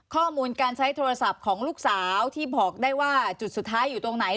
ข้อมูลการใช้โทรศัพท์ของลูกสาวที่บอกได้ว่าจุดสุดท้ายอยู่ตรงไหน